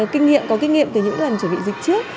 kinh nghiệm có kinh nghiệm từ những lần chuẩn bị dịch trước